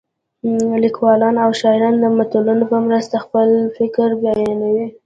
لیکوالان او شاعران د متلونو په مرسته خپل فکر بیانوي